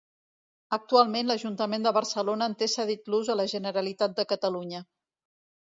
Actualment l'Ajuntament de Barcelona en té cedit l'ús a la Generalitat de Catalunya.